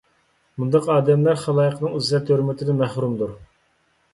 مۇنداق ئادەملەر خالايىقنىڭ ئىززەت - ھۆرمىتىدىن مەھرۇمدۇر.